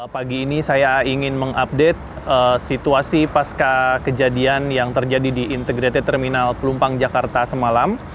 pagi ini saya ingin mengupdate situasi pasca kejadian yang terjadi di integrated terminal pelumpang jakarta semalam